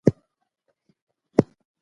هېواد ووېشل شو.